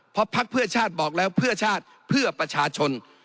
เพราะพักเพื่อชาติบอกแล้วเพื่อชาติเพื่อประชาชน